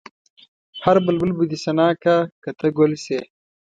هر بلبل به دې ثنا کا که ته ګل شې.